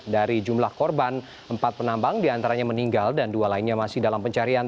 dari jumlah korban empat penambang diantaranya meninggal dan dua lainnya masih dalam pencarian